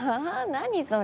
何それ。